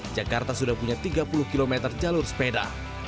jakarta sudah punya tiga puluh km jalur sepeda